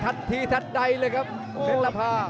ทัททีทัทใดเลยครับเผ็ดละพา